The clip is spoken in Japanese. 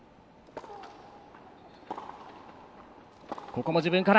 ここも自分から。